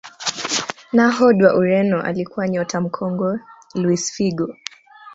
nahod wa ureno alikuwa nyota mkongwe luis Figo